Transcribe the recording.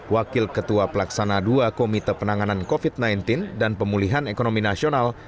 wakil ketua pelaksana dua komite penanganan covid sembilan belas dan pemulihan ekonomi nasional